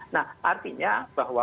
nah artinya bahwa